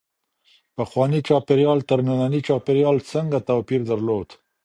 پخوانی چاپېریال تر ننني چاپېریال څنګه توپیر درلود؟